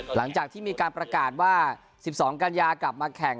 หลังจากที่มีการประกาศว่า๑๒กันยากลับมาแข่ง